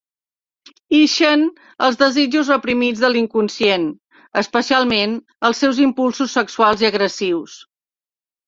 Ixen els desitjos reprimits de l'inconscient, especialment els seus impulsos sexuals i agressius.